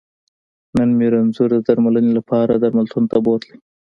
نن مې رنځور د درمنلې لپاره درملتون ته بوتلی